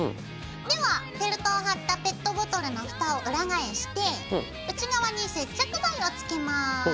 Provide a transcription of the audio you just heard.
ではフェルトを貼ったペットボトルのふたを裏返して内側に接着剤を付けます。